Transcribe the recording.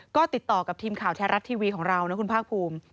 ก็ติดต่อกับทีมข่าวแท้รัฐทีวีของเรานะคุณภาคภูมิ